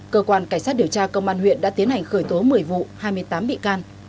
cơ quan cảnh sát điều tra công an huyện đã tiến hành khởi tố một mươi vụ hai mươi tám bị can